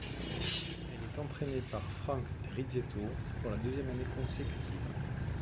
Elle est entraînée par Franck Rizzetto pour la deuxième année consécutive.